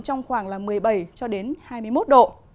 trong khoảng một mươi bảy hai mươi một độ